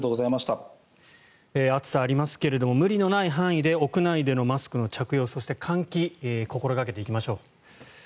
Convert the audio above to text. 暑さがありますが無理のない範囲で屋内でのマスクの着用そして、換気を心掛けていきましょう。